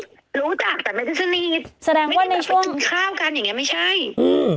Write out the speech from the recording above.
รู้จักแต่ไม่ได้สนิทไม่ได้แบบไปกินข้าวกันอย่างงี้ไม่ใช่อืม